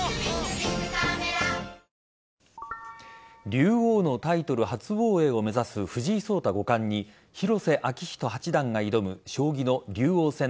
竜王のタイトル初防衛を目指す藤井聡太五冠に広瀬章人八段が挑む将棋の竜王戦